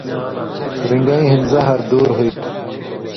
رِنگَیں ہِن زہر دُور ہُوئ تُھو۔